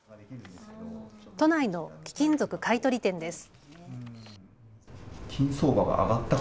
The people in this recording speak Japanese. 都内の貴金属買い取り店です。